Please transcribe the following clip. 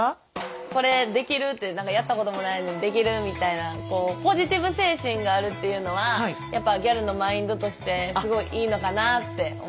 これできる？ってやったこともないのにできるみたいなポジティブ精神があるっていうのはやっぱギャルのマインドとしてすごいいいのかなって思います。